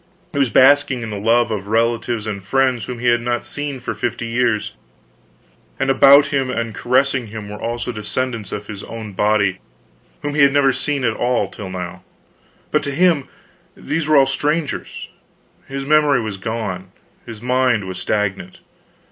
He was basking in the love of relatives and friends whom he had not seen for fifty years; and about him and caressing him were also descendants of his own body whom he had never seen at all till now; but to him these were all strangers, his memory was gone, his mind was stagnant.